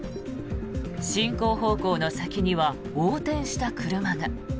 進行方向の先には横転した車が。